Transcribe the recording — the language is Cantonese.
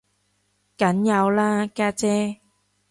梗有啦家姐